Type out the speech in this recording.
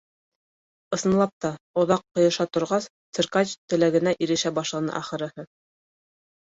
Ысынлап та, оҙаҡ ҡыйыша торғас, циркач теләгенә ирешә башланы, ахырыһы.